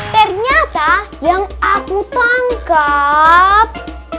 ternyata yang aku tangkap